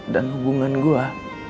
dan hubungan gua